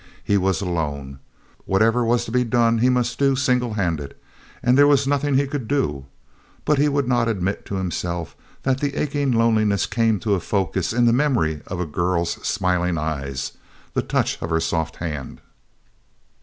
He was alone. Whatever was to be done he must do single handed—and there was nothing he could do! But he would not admit to himself that the aching loneliness came to a focus in the memory of a girl's smiling eyes, the touch of her soft hand.